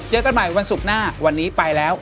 เจอกันใหม่วันศุกร์หน้าวันนี้ไปแล้ว